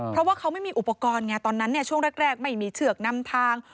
เพราะว่าเขาไม่มีอุปกรณ์ไงตอนนั้นช่วงแรกไม่มีเชือกนำทาง